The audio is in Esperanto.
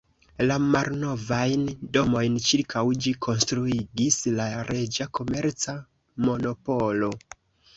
La malnovajn domojn ĉirkaŭ ĝi konstruigis la reĝa komerca monopolo.